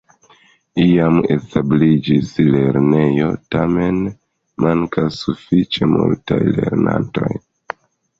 Iam establiĝis lernejo, tamen mankas sufiĉe multaj lernantoj.